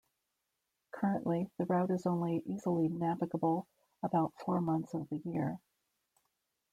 Currently, the route is only easily navigable about four months of the year.